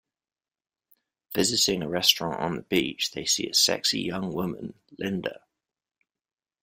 Visiting a restaurant on the beach, they see a sexy young woman, Linda.